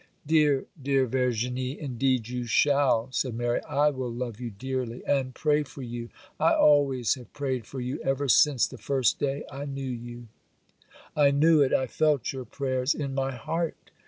'Dear, dear Verginie, indeed you shall,' said Mary; 'I will love you dearly, and pray for you. I always have prayed for you ever since the first day I knew you.' 'I knew it,—I felt your prayers in my heart.